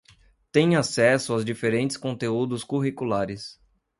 têm acesso aos diferentes conteúdos curriculares